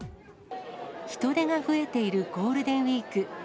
人出が増えているゴールデンウィーク。